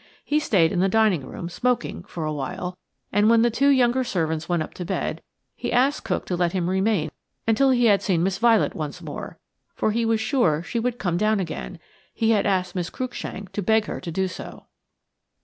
He stayed in the dining room, smoking, for a while, and when the two younger servants went up to bed, he asked cook to let him remain until he had seen Miss Violet once more, for he was sure she would come down again–he had asked Miss Cruikshank to beg her to do so.